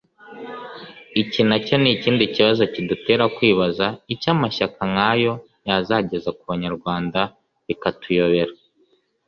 Iki nacyo ni ikindi kibazo kidutera kwibaza icyo amashyaka nk’ayo yazageza ku banyarwanda bikatuyobera